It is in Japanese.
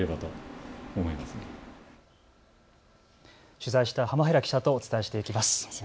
取材した浜平記者とお伝えしていきます。